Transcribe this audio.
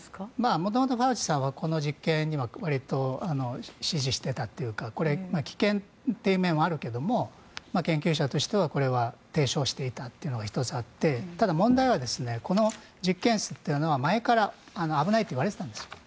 元々ファウチさんはこの実験はわりと支持していたというかこれ、危険という面はあるけれども研究者としてはこれは提唱していたというのが１つあってただ、問題はこの実験室は前から危ないといわれていたんですよ。